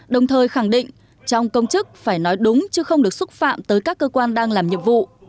đồng thời khẳng định trong công chức phải nói đúng chứ không được xúc phạm tới các cơ quan đang làm nhiệm vụ